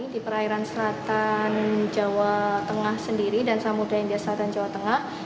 di perairan selatan jawa tengah sendiri dan samudera india selatan jawa tengah